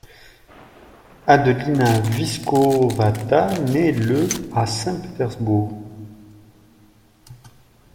Adelina Viskovata nait le à Saint-Pétersbourg.